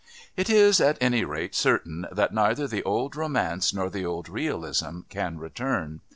It is, at any rate, certain that neither the old romance nor the old realism can return.